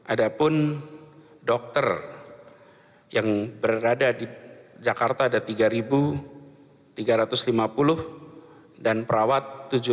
ada pun dokter yang berada di jakarta ada tiga tiga ratus lima puluh dan perawat tujuh ratus